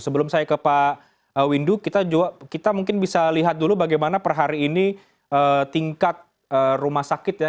sebelum saya ke pak windu kita mungkin bisa lihat dulu bagaimana per hari ini tingkat rumah sakit ya